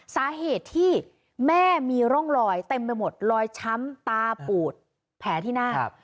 สาเหตุที่แม่มีร่องรอยเต็มไปหมดรอยช้ำตาปูดแผลที่หน้า